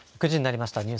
９時になりました。